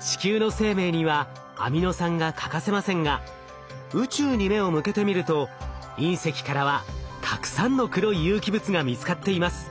地球の生命にはアミノ酸が欠かせませんが宇宙に目を向けてみると隕石からはたくさんの黒い有機物が見つかっています。